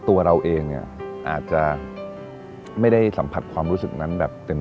ตัวเราเองเนี่ยอาจจะไม่ได้สัมผัสความรู้สึกนั้นแบบเต็ม